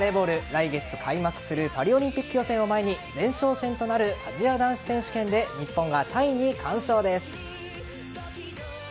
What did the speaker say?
来月開幕するパリオリンピック予選を前に前哨戦となるアジア男子選手権で日本がタイに完勝です。